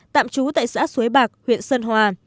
tạm trú tại xã suối bạc huyện sơn hòa